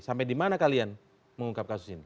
sampai di mana kalian mengungkap kasus ini